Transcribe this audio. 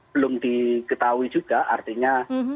belum diketahui juga artinya